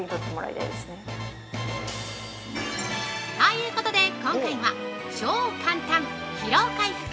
◆ということで今回は、超簡単！疲労回復！